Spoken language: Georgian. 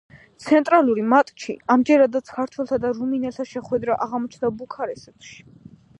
ცენტრალური მატჩი ამჯერადაც ქართველთა და რუმინელთა შეხვედრა აღმოჩნდა ბუქარესტში.